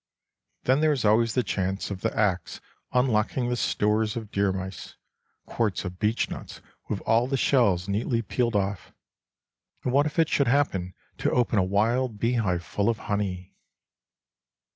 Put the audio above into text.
Then there is always the chance of the axe unlocking the stores of deermice, quarts of beechnuts with all the shells neatly peeled off; and what if it should happen to open a wild bee hive full of honey!